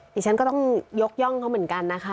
ดิฉันก็ต้องยกย่องเขาเหมือนกันนะคะ